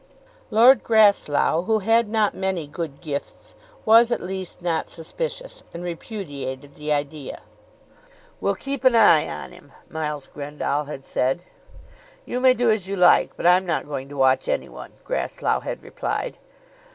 Lord Grasslough, who had not many good gifts, was, at least, not suspicious, and repudiated the idea. "We'll keep an eye on him," Miles Grendall had said. "You may do as you like, but I'm not going to watch any one," Grasslough had replied.